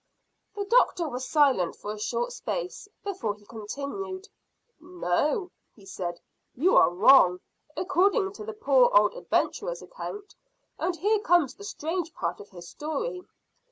The doctor was silent for a short space, before he continued. "No," he said; "you are wrong, according to the poor old adventurer's account, and here comes the strange part of his story.